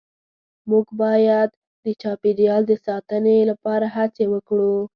مونږ باید د چاپیریال د ساتنې لپاره هڅې وکړو